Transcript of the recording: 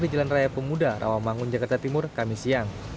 di jalan raya pemudara mangun jakarta timur kami siang